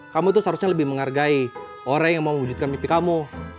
kamu tuh seharusnya lebih menghargai orang yang mau mewujudkan mimpi kamu